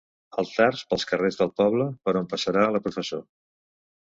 Altars pels carrers del poble, per on passarà la professó.